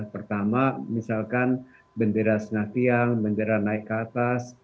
pertama misalkan bendera senatian bendera naik ke atas